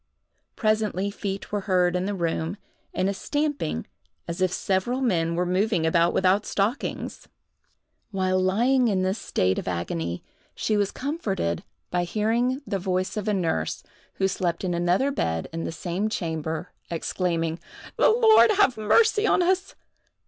Presently feet were heard in the room, and a stamping as if several men were moving about without stockings. While lying in this state of agony, she was comforted by hearing the voice of a nurse, who slept in another bed in the same chamber, exclaiming: "The Lord have mercy upon us!"